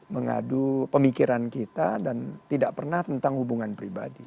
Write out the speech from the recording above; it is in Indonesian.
mengadu pemikiran kita dan tidak pernah tentang hubungan pribadi